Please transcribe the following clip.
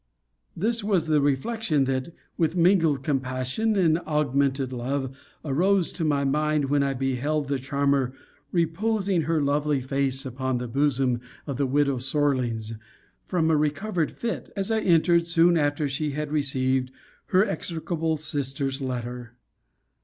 This was the reflection, that, with mingled compassion, and augmented love, arose to my mind, when I beheld the charmer reposing her lovely face upon the bosom of the widow Sorlings, from a recovered fit, as I entered soon after she had received her execrable sister's letter.